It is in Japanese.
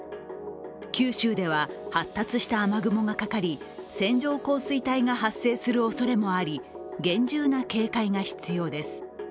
九州では発達した雨雲がかかり、線状降水帯が発生するおそれもあり厳重な警戒が必要です。